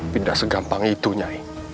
tidak segampang itu nyai